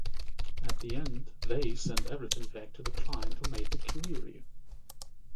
At the end They send everything back to the client who made the query.